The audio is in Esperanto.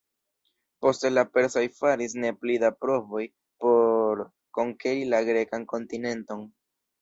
Poste la persaj faris ne pli da provoj por konkeri la grekan kontinenton.